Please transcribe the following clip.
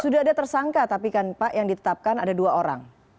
sudah ada tersangka tapi kan pak yang ditetapkan ada dua orang